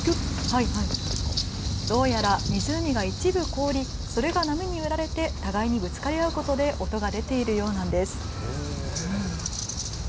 どうやら湖が一部凍りそれが波に揺られて互いにぶつかり合うことで音が出ているようなんです。